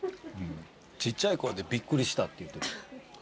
ちっちゃい声で「びっくりした」って。